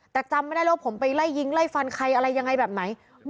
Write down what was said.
แต่จำไม่ได้แล้วว่าผมไปไล่ยิงไล่ฟันใครอะไรยังไงแบบไหน